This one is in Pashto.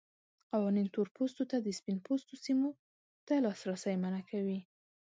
قوانین تور پوستو ته د سپین پوستو سیمو ته لاسرسی منع کوي.